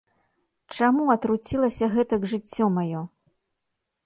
Чаму атруцілася гэтак жыццё маё?